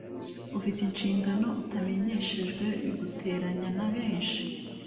ufite inshingano utamenyeshejwe biguteranya na benshi